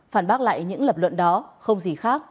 phản bác lại những lập luận đó không gì khác